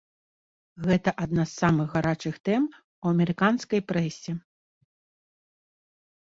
Гэта адна з самых гарачых тэм у амерыканскай прэсе.